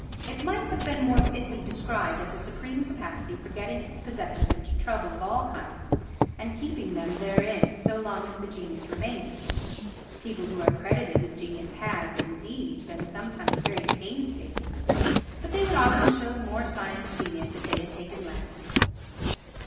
It might be more fitly described as a supreme capacity for getting its possessors into trouble of all kinds and keeping them therein so long as the genius remains. People who are credited with genius have, indeed, been sometimes very painstaking, but they would often show more signs of genius if they had taken less.